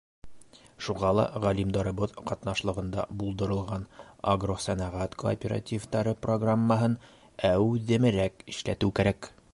Шуға ла ғалимдарыбыҙ ҡатнашлығында булдырылған агросәнәғәт кооперативтары программаһын әүҙемерәк эшләтеү кәрәк.